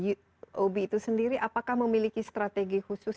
uob itu sendiri apakah memiliki strategi khusus